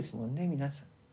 皆さん。